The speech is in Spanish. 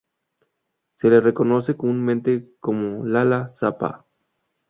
Se le reconoce comúnmente como Lala Zappa.